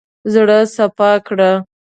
زړه سپا کړه.